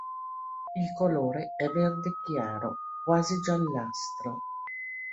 Il colore è verde chiaro quasi giallastro.